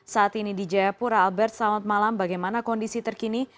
saat ini di jayapura albert selamat malam bagaimana kondisi terkini